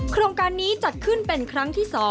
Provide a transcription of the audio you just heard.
โครงการนี้จัดขึ้นเป็นครั้งที่๒